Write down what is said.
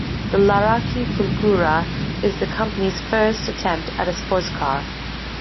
The Laraki Fulgura is the company's first attempt at a sportscar.